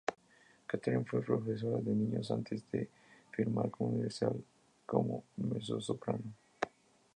Katherine fue profesora de niños antes de firmar con Universal como mezzosoprano.